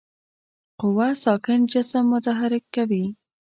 قوه ساکن جسم متحرک کوي.